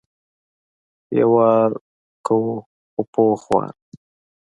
یو وار کوو خو پوخ وار.